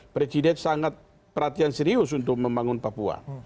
presiden sangat perhatian serius untuk membangun papua